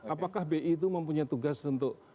apakah bi itu mempunyai tugas untuk